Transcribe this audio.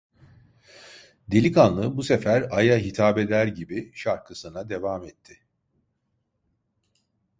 Delikanlı, bu sefer aya hitap eder gibi, şarkısına devam etti.